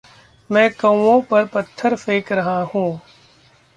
मैं कौवों पर पत्थर फेंक रहा हूँ।